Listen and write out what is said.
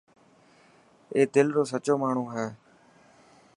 اي دل رو سچو ماڻهو هي.